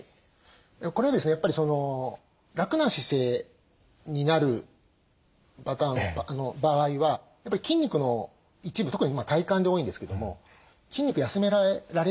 これはですねやっぱり楽な姿勢になる場合は筋肉の一部特に体幹で多いんですけども筋肉休められるわけですね。